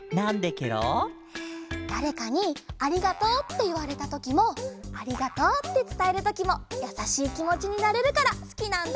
だれかに「ありがとう」っていわれたときも「ありがとう」ってつたえるときもやさしいきもちになれるからすきなんだ！